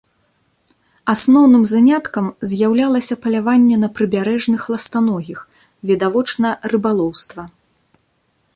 Асноўным заняткам з'яўлялася паляванне на прыбярэжных ластаногіх, відавочна рыбалоўства.